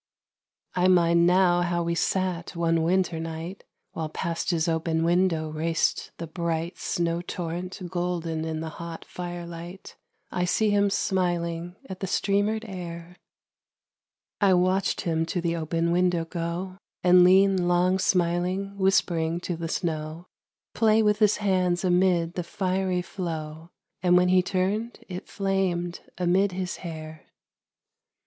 I mind now how we sat one winter night While past his open window raced the bright Snow torrent golden in the hot firelight.... I see him smiling at the streamered air. I watched him to the open window go, And lean long smiling, whispering to the snow, Play with his hands amid the fiery flow And when he turned it flamed amid his hair.